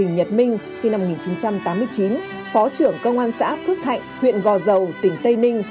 nhật minh sinh năm một nghìn chín trăm tám mươi chín phó trưởng công an xã phước thạnh huyện gò dầu tỉnh tây ninh